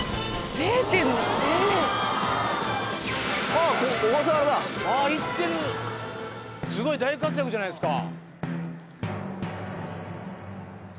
ああっ小笠原だあー行ってるすごい大活躍じゃないですか